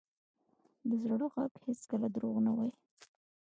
د زړه ږغ هېڅکله دروغ نه وایي.